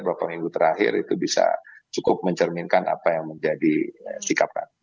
beberapa minggu terakhir itu bisa cukup mencerminkan apa yang menjadi sikap kami